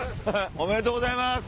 おめでとうございます。